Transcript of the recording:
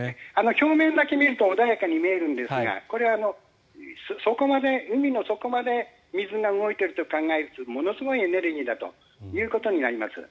表面だけ見ると穏やかに見えるんですがこれは海の底まで水が動いていると考えるとものすごいエネルギーだということになります。